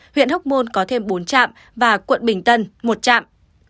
huyện hóc môn có thêm bốn trạm và quận bình tân một trạm